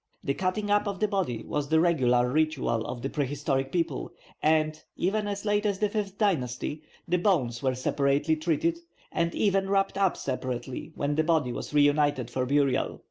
The cutting up of the body was the regular ritual of the prehistoric people, and (even as late as the fifth dynasty) the bones were separately treated, and even wrapped up separately when the body was reunited for burial.